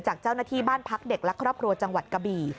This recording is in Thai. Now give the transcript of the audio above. จากเจ้าหน้าที่บ้านพักเด็กและครอบครัวจังหวัดกะบี่